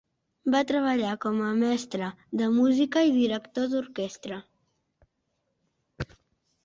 Va treballar com a mestre de música i director d'orquestra.